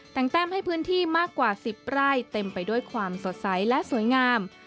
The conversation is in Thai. แต่งแต้มให้พื้นที่มากกว่า๑๐ไร่เต็มไปด้วยความสดใสและสวยงาม